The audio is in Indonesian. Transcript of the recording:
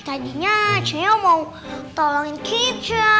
tadinya cio mau tolongin cica